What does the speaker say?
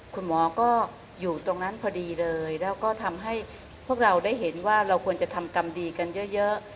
คุณหมอก็อยู่ตรงนั้นพอดีเลยแล้วก็ทำให้พวกเราได้เห็นว่าเราควรจะทำกรรมดีกันเยอะ